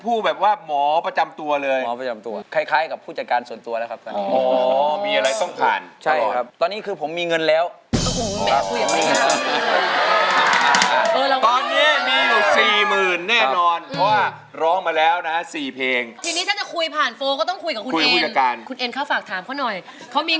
พูดแบบว่าหมอประจำตัวเลยหมอประจำตัวคล้ายกับผู้จัดการส่วนตัวแล้วครับตอนนี้อ๋อมีอะไรต้องการใช่ครับตอนนี้คือผมมีเงินแล้วอ๋อไม่คุยกันตอนนี้มีอยู่๔๐๐๐๐แน่นอนเพราะว่าร้องมาแล้วนะ๔เพลงทีนี้ถ้าจะคุยผ่านโฟลก็ต้องคุยกับคุณเอ็นคุณเอ็นเขาฝากถามเขาหน่อยเขามี